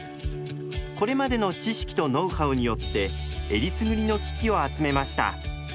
これまでの知識とノウハウによってえりすぐりの機器を集めました。